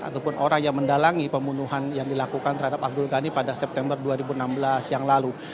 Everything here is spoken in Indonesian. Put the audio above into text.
ataupun orang yang mendalangi pembunuhan yang dilakukan terhadap abdul ghani pada september dua ribu enam belas yang lalu